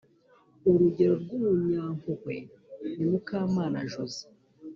urugero rw’umunyampuhwe ni mukamana joze